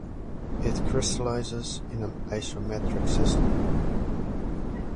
It crystallizes in the isometric system.